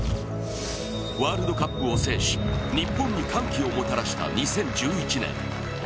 ワールドカップを制し、日本に歓喜をもたらした２０１１年。